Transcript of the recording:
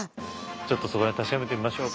ちょっとそこら辺確かめてみましょうか。